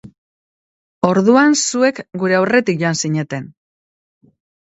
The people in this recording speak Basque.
Orduan zuek gure aurretik joan zineten.